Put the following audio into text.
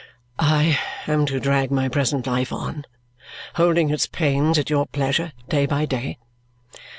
"I am to drag my present life on, holding its pains at your pleasure, day by day?"